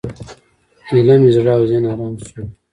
ایله مې زړه او ذهن ارامه شول.